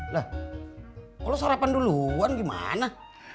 lah kalau sarapan duluan gimana